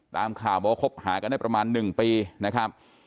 ตามข่าวบอกว่าคบหากันได้ประมาณ๑ปีนะครับ